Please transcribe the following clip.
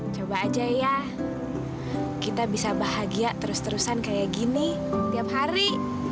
coba aja ya kita bisa bahagia terus terusan kayak gini tiap hari